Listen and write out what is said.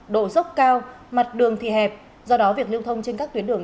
độ dốc cao mặt đường thì hẹp do đó việc lưu thông trên các tuyến đường